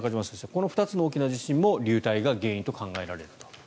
この２つの大きな地震も流体が原因と考えられると。